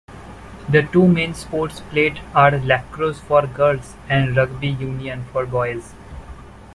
The two main sports played are lacrosse for girls and rugby union for boys.